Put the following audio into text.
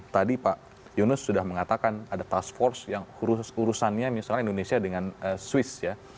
tadi pak yunus sudah mengatakan ada task force yang urusannya misalnya indonesia dengan swiss ya